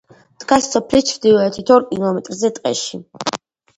დგას სოფლის ჩრდილოეთით ორ კილომეტრზე, ტყეში.